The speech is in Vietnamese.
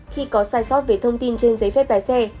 khi có sai sót về thông tin trên giấy phép lái xe